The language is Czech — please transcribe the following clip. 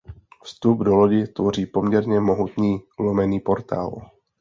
Vstup do lodi tvoří poměrně mohutný lomený portál.